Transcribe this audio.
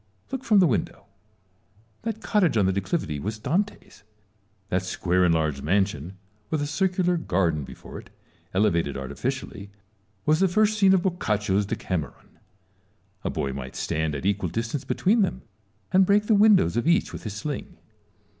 Look from the window. That cottage on the declivity was Dante's : that square and large mansion, with a circular garden before it elevated artificially, was the first scene of Boccaccio's Decameron. A boy might stand at an equal distance between them, and break the windows of each with his sling.